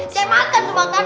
saya makan tuh makanan